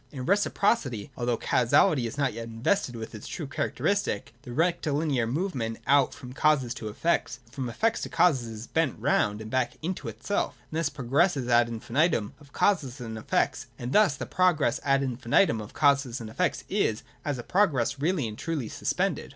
In Reciprocity, although causality is not yet invested with its true characteristic, the rectilinear movement out from causes to effects, and from effects to causes, is bent round and back into itself, and thus the progress ad in finitum of causes and effects is, as a progress, really and truly suspended.